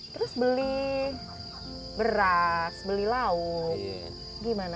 terus beli beras beli lauk gimana